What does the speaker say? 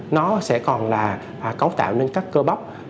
nó sẽ còn là cấu tạo nên các cơ bóc